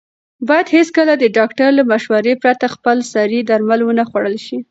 باید هېڅکله د ډاکټر له مشورې پرته خپلسري درمل ونه خوړل شي.